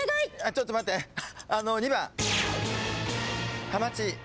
ちょっと待って２番。